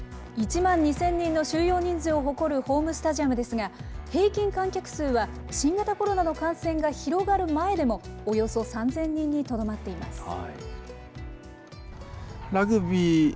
１万２０００人の収容人数を誇るホームスタジアムですが、平均観客数は新型コロナの感染が広がる前でも、およそ３０００人にとどまっています。